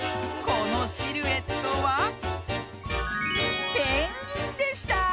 このシルエットはペンギンでした。